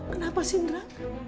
kenapa sih ndra